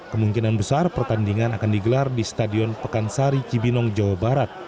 kemungkinan besar pertandingan akan digelar di stadion pekansari cibinong jawa barat